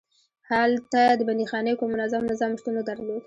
هلته د بندیخانې کوم منظم نظام شتون نه درلود.